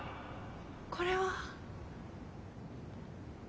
これは。